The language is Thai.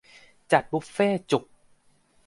จัดบุฟเฟ่ต์จุก